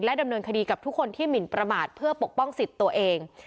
ดำเนินคดีกับทุกคนที่หมินประมาทเพื่อปกป้องสิทธิ์ตัวเอง